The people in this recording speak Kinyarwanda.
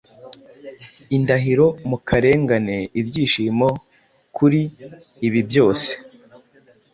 Indahiro mu karengane Ibyishimo kuri ibi byose